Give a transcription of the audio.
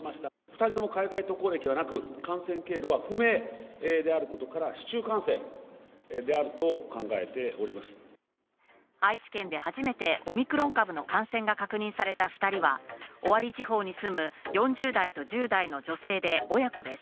２人とも海外渡航歴はなく、感染経路は不明であることから、愛知県で初めてオミクロン株の感染が確認された２人は、尾張地方に住む４０代と１０代の女性で、親子です。